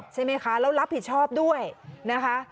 ใช่ไหมคะแล้วรับผิดชอบด้วยนะคะ